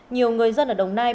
nhiều người dân ở đồng nai